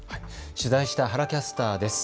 取材した原キャスターです。